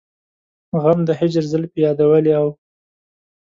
غم د هجر زلفې يادولې او